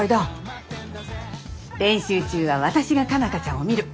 練習中は私が佳奈花ちゃんを見る。